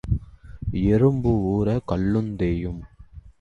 எறும்பு ஊர கல்லுந் தேயும்.